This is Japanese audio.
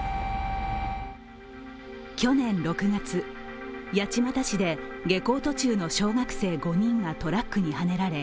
去年６月、八街市で下校途中の小学生５人がトラックにはねられ